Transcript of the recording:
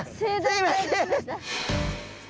すいません！